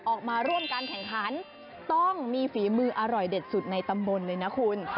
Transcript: ออกมาร่วมการแข่งขันต้องมีฝีมืออร่อยเด็ดสุดในตำบลเลยนะคุณ